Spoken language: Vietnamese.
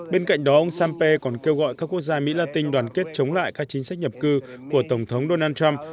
bên cạnh đó ông sampe còn kêu gọi các quốc gia mỹ la tinh đoàn kết chống lại các chính sách nhập cư của tổng thống donald trump